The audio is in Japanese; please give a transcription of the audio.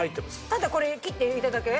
ただこれ、切って入れただけ？